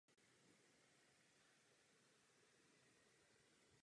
Později pracovala jako učitelka jazyků.